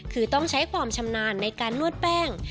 คือต้องใช้ความชำนาญในการนวดแป้ง